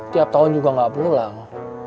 tiap tahun juga nggak pulang